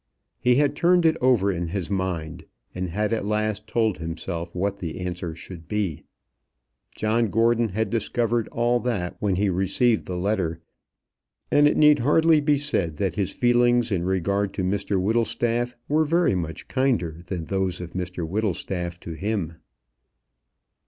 He had turned it over in his mind, and had at last told himself what the answer should be. John Gordon had discovered all that when he received the letter, and it need hardly be said that his feelings in regard to Mr Whittlestaff were very much kinder than those of Mr Whittlestaff to him.